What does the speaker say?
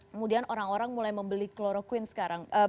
kemudian orang orang mulai membeli kloroquine sekarang